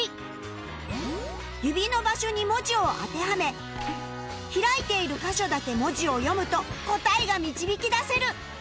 指の場所に文字を当てはめ開いている箇所だけ文字を読むと答えが導き出せる！